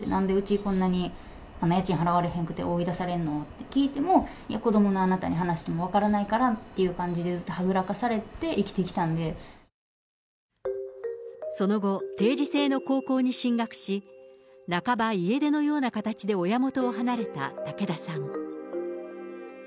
って、なんでうち、こんなに家賃払われへんくて、追い出されんの？って聞いても、子どものあなたに話しても分からないからっていう感じでずっとはその後、定時制の高校に進学し、なかば家出のような形で親元を離れた武田さん。